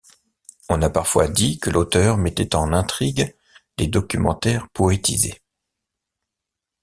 On a parfois dit que l'auteur mettait en intrigue des documentaires poétisés.